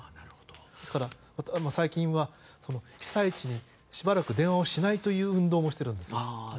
ですから、最近は被災地にしばらく電話をしないという運動をしているんです。